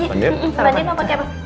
bander mau pakai apa